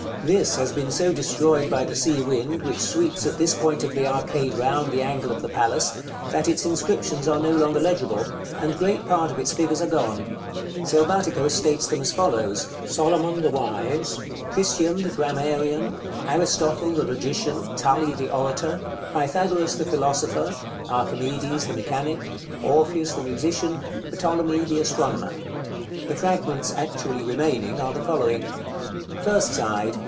This has been so destroyed by the sea wind, which sweeps at this point of the arcade round the angle of the palace, that its inscriptions are no longer legible, and great part of its figures are gone. Selvatico states them as follows: Solomon, the wise; Priscian, the grammarian; Aristotle, the logician; Tully, the orator; Pythagoras, the philosopher; Archimedes, the mechanic; Orpheus, the musician; Ptolemy, the astronomer. The fragments actually remaining are the following: _First side.